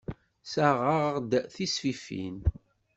Ssaɣeɣ-d tisfifin.